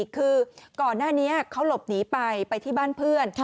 คือก่อนหน้านี้เขาหลบหนีไปไปที่บ้านเพื่อน